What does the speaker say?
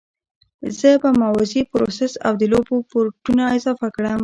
زه به موازي پروسس او د لوبو پورټونه اضافه کړم